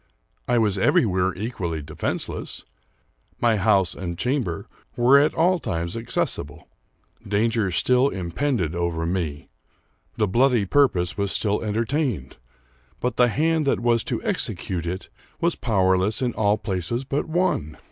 I was everywhere equally defenseless. My house and chamber were at all times accessible. Danger still impended over me ; the bloody purpose was still enter tained, but the hand that was to execute it was powerless in all places but one